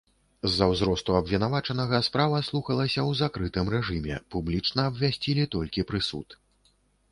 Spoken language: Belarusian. З-за ўзросту абвінавачанага справа слухалася ў закрытым рэжыме, публічна абвясцілі толькі прысуд.